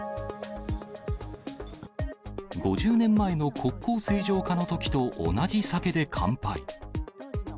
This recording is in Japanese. ５０年前の国交正常化のときと同じ酒で乾杯。